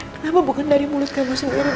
kenapa bukan dari mulut kamu sendiri